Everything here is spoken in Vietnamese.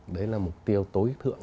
đấy là mục tiêu tối thượng